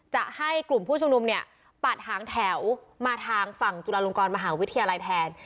จะให้กลุ่มผู้ชุมนุมเนี่ยปัดหางแถวมาทางฝั่งจุฬาลงกรมหาวิทยาลัยแทน